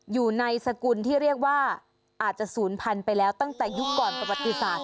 อยู่ในสกุลที่เรียกว่าอาจจะศูนย์พันธุ์ไปแล้วตั้งแต่ยุคก่อนประวัติศาสต